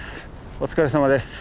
お疲れさまです。